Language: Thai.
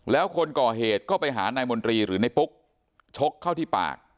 แล้วคนก่อเหตุก็ไปหานายมนตรีหรือในปุ๊กชกเข้าที่ปาก